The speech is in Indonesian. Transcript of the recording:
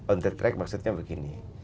on the track maksudnya begini